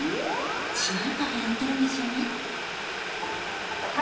しないからやってるんですよね。